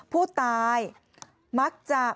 ผู้ตายมักจะ